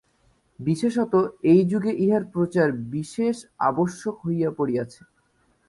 বিশেষত এই যুগে ইহার প্রচার বিশেষ আবশ্যক হইয়া পড়িয়াছে।